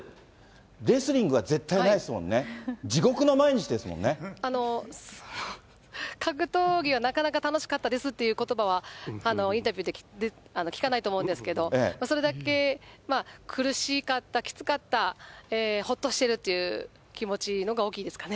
レスリングは絶対ないですもんね、格闘技は、なかなか楽しかったですっていうことばはインタビューで聞かないと思うんですけれども、それだけ苦しかった、きつかった、ほっとしてるという気持ちのほうが大きいですかね。